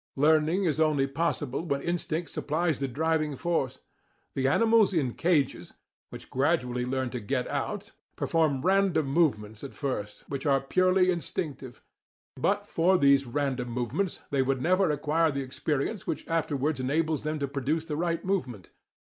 Learning is only possible when instinct supplies the driving force. The animals in cages, which gradually learn to get out, perform random movements at first, which are purely instinctive. But for these random movements, they would never acquire the experience which afterwards enables them to produce the right movement.